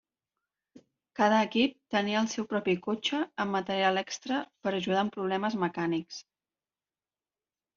Cada equip tenia el seu propi cotxe amb material extra per ajudar amb problemes mecànics.